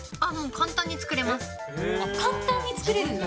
簡単に作れるんだ。